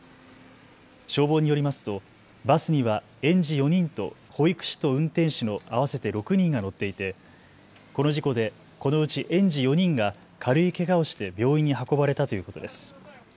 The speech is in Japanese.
消防によりますとバスには園児４人と保育士と運転手の合わせて６人が乗っていてこの事故でこのうち園児４人が軽いけがをして病院に運ばれたということです。